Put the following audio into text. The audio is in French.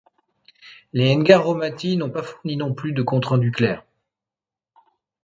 Les Ngare Raumati n’ont pas fourni non plus de compte rendu clair.